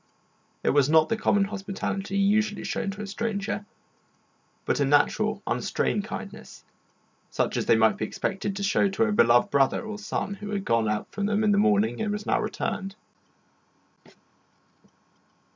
It was not the common hospitality usually shown to a stranger, but a natural, unstrained kindness, such as they might be expected to show to a beloved brother or son who had gone out from them in the morning and was now returned.